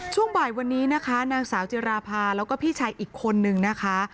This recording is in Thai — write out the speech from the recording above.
ช่วงบ่ายวันนี้นะคะนางสาวจิราภาแล้วก็พี่ชายอีกคนนึงนะคะ